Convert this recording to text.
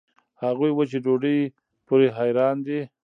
هغوي وچې ډوډوۍ پورې حېران دي.